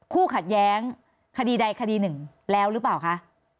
คู่ขัดแย้งคดีใดคดีหนึ่งแล้วหรือเปล่าคะ